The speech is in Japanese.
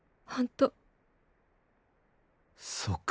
そうか。